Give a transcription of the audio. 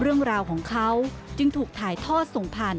เรื่องราวของเขาจึงถูกถ่ายทอดส่งผ่าน